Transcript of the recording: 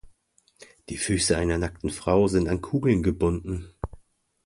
Die Füße einer nackten Frau sind an Kugeln gebunden.